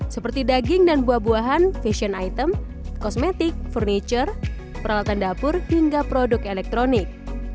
seperti daging dan buah buahan fashion item kosmetik furniture peralatan dapur hingga produk elektronik